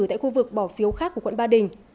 tại khu vực bỏ phiếu khác của quận ba đình